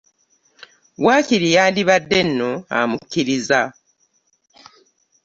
Waakiri yandibadde nno amuzikirizza.